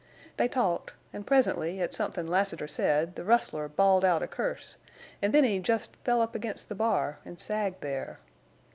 They talked, an' presently at somethin' Lassiter said the rustler bawled out a curse, an' then he jest fell up against the bar, an' sagged there.